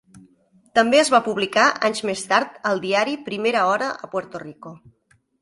També es va publicar, anys més tard, al diari "Primera Hora" a Puerto Rico.